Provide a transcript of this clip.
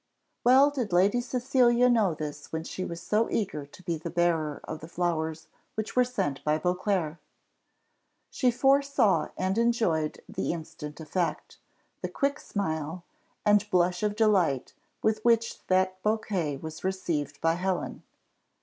Well did Lady Cecilia know this when she was so eager to be the bearer of the flowers which were sent by Beauclerc. She foresaw and enjoyed the instant effect, the quick smile, and blush of delight with which that bouquet was received by Helen.